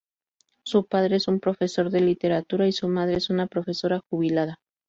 Su padre es un profesor de literatura y su madre es una profesora jubilada.